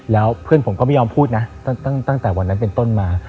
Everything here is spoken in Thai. แล้วเพื่อนผมก็ไม่ยอมพูดนะตั้งแต่วันนั้นเป็นต้นมา